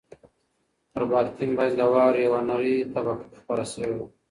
پر بالکن باندې د واورې یوه نری طبقه خپره شوې وه.